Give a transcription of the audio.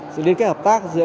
sự liên kết hợp tác giữa